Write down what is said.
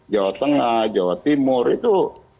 jawa tengah jawa timur itu